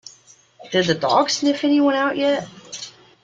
Did the dog sniff anyone out yet?